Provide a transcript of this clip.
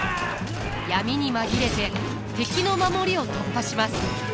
闇に紛れて敵の守りを突破します。